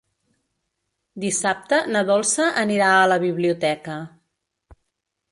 Dissabte na Dolça anirà a la biblioteca.